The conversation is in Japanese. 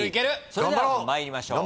それでは参りましょう。